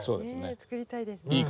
作りたいですね。